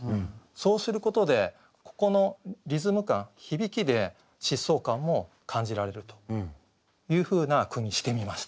そうすることでここのリズム感響きで疾走感も感じられるというふうな句にしてみました。